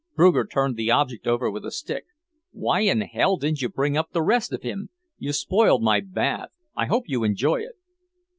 Bruger turned the object over with a stick. "Why in hell didn't you bring up the rest of him? You've spoiled my bath. I hope you enjoy it."